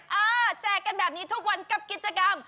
แจกกันแบบนี้ทุกวันกับกิจกรรม